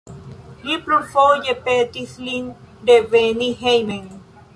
Li plurfoje petis lin reveni hejmen.